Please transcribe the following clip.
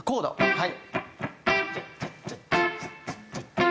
はい。